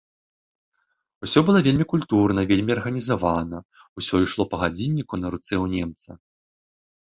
Усё было вельмі культурна, вельмі арганізавана, усё ішло па гадзінніку на руцэ ў немца.